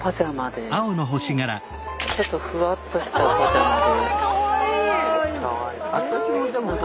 ちょっとフワッとしたパジャマで。